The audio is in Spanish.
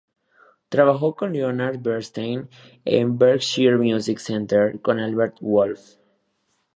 Trabajó con Leonard Bernstein en Berkshire Music Center y con Albert Wolff.